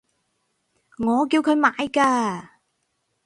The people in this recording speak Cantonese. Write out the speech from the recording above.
我叫佢買㗎